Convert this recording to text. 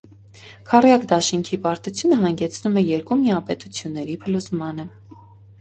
Քառյակ դաշինքիի պարտությունը հանգեցնում է երկու միապետությունների փլուզմանը։